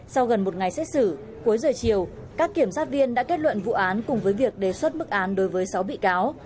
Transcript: sau gần một ngày xét xử cuối giờ chiều các kiểm sát viên đã kết luận vụ án cùng với việc đề xuất bức án đối với sáu bị cáo